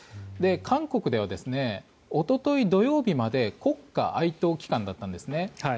韓国ではおととい、土曜日まで国家哀悼期間だったんですね。